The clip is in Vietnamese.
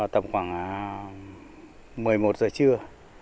tầm khoảng một mươi một giờ trưa